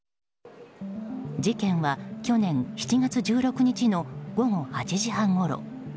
事件は去年７月１６日の午後８時半ごろ。